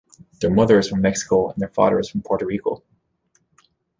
Their mother is from Mexico, and their father is from Puerto Rico.